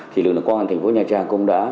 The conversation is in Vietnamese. thì lực lượng công an thành phố nha trang cũng đã